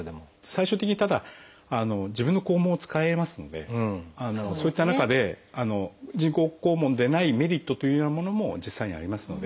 最終的にただ自分の肛門を使えますのでそういった中で人工肛門でないメリットというようなものも実際にはありますので。